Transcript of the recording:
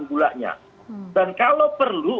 gulanya dan kalau perlu